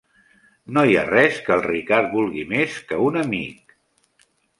No hi ha res que el Ricard vulgui més que un amic.